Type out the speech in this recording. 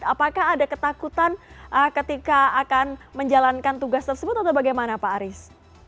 apakah ada ketakutan ketika akan menjalankan tugas tersebut atau bagaimana pak aris